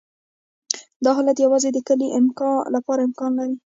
دا حالت یوازې د کلې لپاره امکان لري